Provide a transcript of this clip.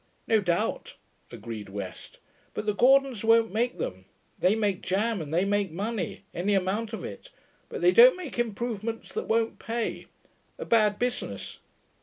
'No doubt,' agreed West. 'But the Gordons won't make them. They make jam and they make money any amount of it but they don't make improvements that won't pay. A bad business.